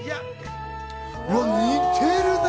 似てるね！